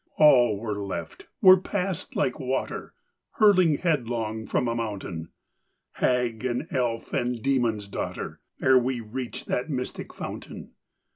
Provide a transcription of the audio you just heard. All were left; were passed like water Hurling headlong from a mountain, Hag and elf and demon's daughter, Ere we reached that mystic fountain.